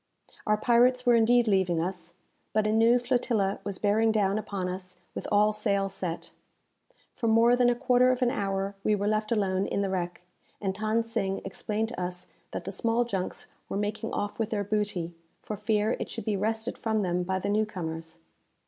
Our pirates were indeed leaving us, but a new flotilla was bearing down upon us with all sail set! For more than a quarter of an hour we were left alone in the wreck, and Than Sing explained to us that the small junks were making off with their booty, for fear it should be wrested from them by the new comers.